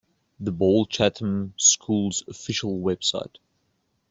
The Ball Chatham Schools Official Website.